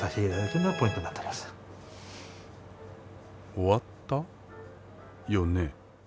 終わった？よね？